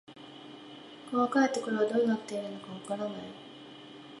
細かいところはどうなっているのかわからない